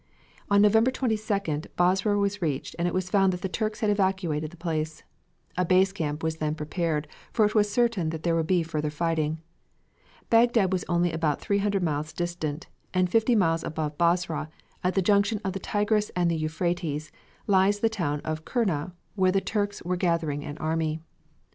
On November 22d Basra was reached and it was found that the Turks had evacuated the place. A base camp was then prepared, for it was certain that there would be further fighting. Bagdad was only about three hundred miles distant; and fifty miles above Basra, at the junction of the Tigris and the Euphrates, lies the town of Kurna where the Turks were gathering an army.